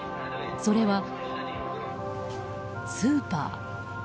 それは、スーパー。